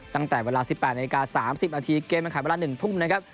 ตั้งแต่เวลา๑๘นาที๓๐นาทีเกมมันขายเวลา๑ทุ่มนะครับ